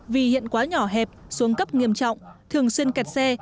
vì hiện quá nhỏ hẹp xuống cấp nghiêm trọng thường xuyên kẹt xe